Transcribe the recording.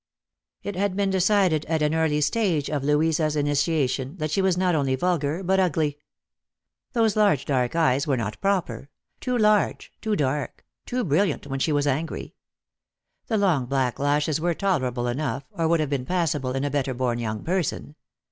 It had been decided at an early stage of Louisa's initiation that she was not only vulgar, but ugly. Those large dark eyes were not proper — too large, too dark, too brilliant when she was angry. The long black lashes were tolerable enough, or would have been passable in a better born young person.